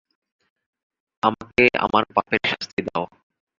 আমাকে আমার পাপের শাস্তি দাও।